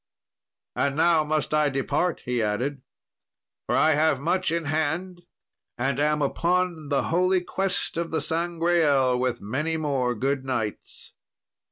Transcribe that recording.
"And now must I depart," he added, "for I have much in hand, and am upon the holy quest of the Sangreal, with many more good knights."